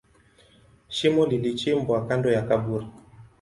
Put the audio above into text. Shimo lilichimbwa kando ya kaburi.